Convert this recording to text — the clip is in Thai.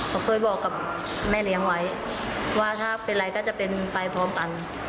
เขาเคยบอกกับแม่เลี้ยงไว้ว่าถ้าเป็นอะไรก็จะเป็นไปพร้อมกัน